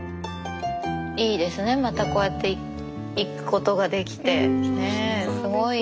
いいですねまたこうやって行くことができて。